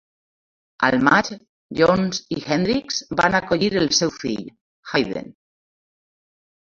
Al maig, Jones i Henricks van acollir el seu fill, Hayden.